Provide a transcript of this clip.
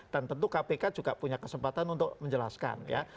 dan tentu kpk juga punya kesempatan untuk menjelaskan ya